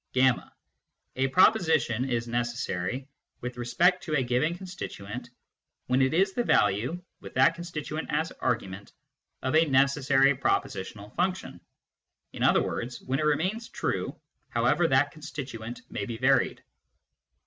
(y) A proposition is necessary with respect to a given constituent when it is the value, with that constituent as argument, of a necessary prepositional function, in other words, when it remains true however that constituent may be varied.